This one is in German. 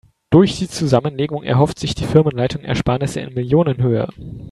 Durch die Zusammenlegung erhofft sich die Firmenleitung Ersparnisse in Millionenhöhe.